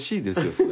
それ。